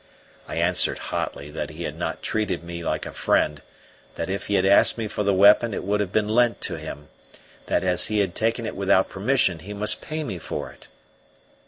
I answered hotly that he had not treated me like a friend; that if he had asked me for the weapon it would have been lent to him; that as he had taken it without permission he must pay me for it.